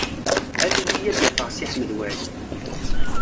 Alel-iyi ad d-afeɣ Si Ḥmed Waɛli.